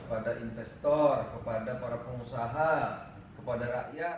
kepada investor kepada para pengusaha kepada rakyat